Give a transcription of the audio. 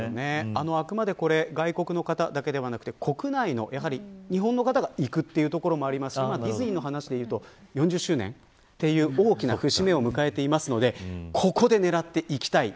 あくまでこれ外国の方だけではなくて、国内の日本の方が行くということもありますしディズニーの話でいうと４０周年という大きな節目を迎えていますのでここで狙って行きたい。